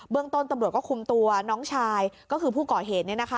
เบื้องต้นตำรวจก็คุมตัวน้องชายก็คือผู้ก่อเหตุเนี้ยนะคะ